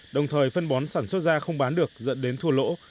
đồng thời phân bón sản xuất ra không bán được dẫn đến thua lỗ